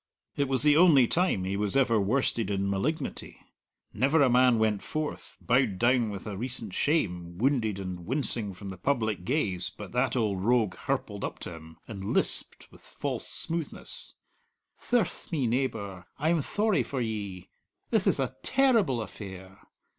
It was the only time he was ever worsted in malignity. Never a man went forth, bowed down with a recent shame, wounded and wincing from the public gaze, but that old rogue hirpled up to him, and lisped with false smoothness: "Thirce me, neebour, I'm thorry for ye! Thith ith a terrible affair!